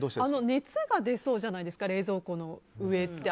熱が出そうじゃないですか冷蔵庫の上って。